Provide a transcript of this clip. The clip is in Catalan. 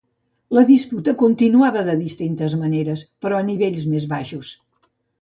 La disputa continuava de distintes maneres, però a nivells més baixos.